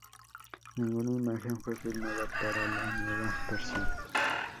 Ninguna imagen fue filmada para la nueva versión.